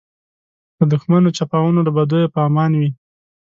له دښمنو چپاوونو له بدیو په امان وي.